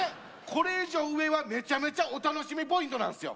これ以上上はめちゃめちゃお楽しみポイントなんすよ。